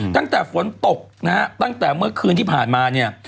ตั้งแต่ฝนตกนะฮะตั้งแต่เมื่อคืนที่ผ่านมาเนี่ย